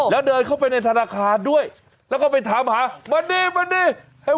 แล้วเดินเข้าไปในธนาคารด้วยแล้วก็ไปถามหามาดีมาดิ